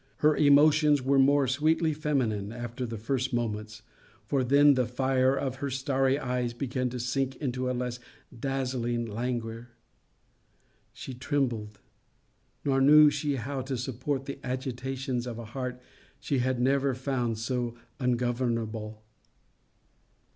Her emotions were more sweetly feminine, after the first moments; for then the fire of her starry eyes began to sink into a less dazzling languor. She trembled: nor knew she how to support the agitations of a heart she had never found so ungovernable.